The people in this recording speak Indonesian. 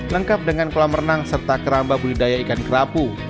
lengkap dengan kolam renang serta keramba budidaya ikan kerapu